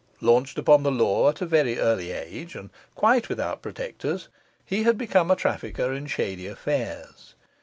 Launched upon the law at a very early age, and quite without protectors, he had become a trafficker in shady affairs.